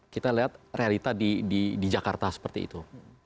kita lihat realita di jakarta seperti itu